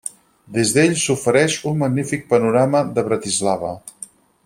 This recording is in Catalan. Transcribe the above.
Des d'ell s'ofereix un magnífic panorama de Bratislava.